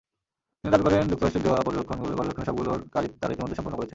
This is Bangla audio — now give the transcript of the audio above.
তিনি দাবি করেন, যুক্তরাজ্যের দেওয়া পর্যবেক্ষণের সবগুলোর কাজই তাঁরা ইতিমধ্যে সম্পন্ন করেছেন।